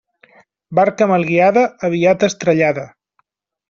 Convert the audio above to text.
Barca mal guiada, aviat estrellada.